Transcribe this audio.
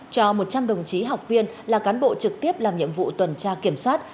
cho một trăm linh đồng chí học viên là cán bộ trực tiếp làm nhiệm vụ tuần tra kiểm soát